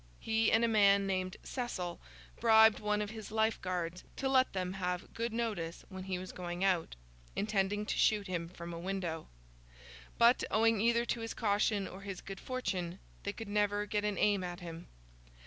He and a man named Cecil, bribed one of his Life Guards to let them have good notice when he was going out—intending to shoot him from a window. But, owing either to his caution or his good fortune, they could never get an aim at him.